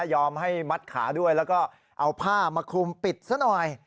ให้มัดขาด้วยแล้วก็เอาผ้ามาคลุมปิดซะหน่อย